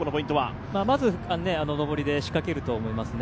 まず上りで仕掛けると思いますね。